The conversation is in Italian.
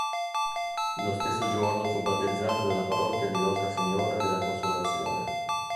Lo stesso giorno fu battezzato nella parrocchia di Nostra Signora della Consolazione.